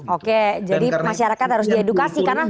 oke jadi masyarakat harus diedukasi karena